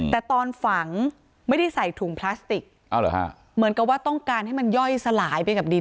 แต่ตอนฝังไม่ได้ใส่ถุงพลาสติกเหมือนกับว่าต้องการให้มันย่อยสลายไปกับดิน